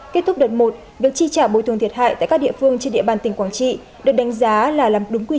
kết thúc đợt một việc chi trả bồi thường thiệt hại tại các địa phương trên địa bàn tỉnh quảng trị